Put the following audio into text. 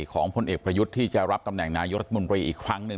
พลเอกประยุทธ์ที่จะรับตำแหน่งนายกรัฐมนตรีอีกครั้งหนึ่ง